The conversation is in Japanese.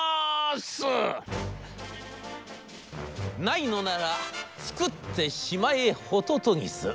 『ないのなら作ってしまえホトトギス』。